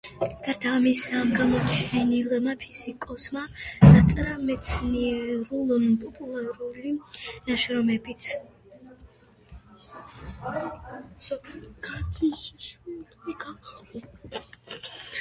გარდა ამისა ამ გამოჩენილმა ფიზიკოსმა დაწერა მეცნიერულ-პოპულარული ნაშრომებიც.